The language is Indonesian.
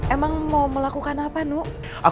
emang mau melakukan apa nu